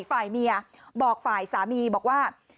ฝ่ายเมียบอกฝ่ายสามีบอกว่า